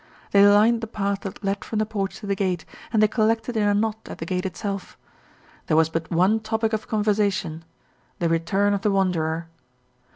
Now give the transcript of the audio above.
They lined the path that led from the porch to the gate, and they collected in a knot at the gate itself. There was but one topic of conversation the return of the wanderer.